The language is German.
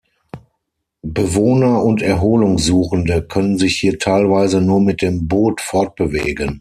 Bewohner und Erholungssuchende können sich hier teilweise nur mit dem Boot fortbewegen.